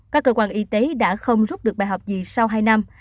các cơ quan y tế đã không rút được bài học gì sau hai năm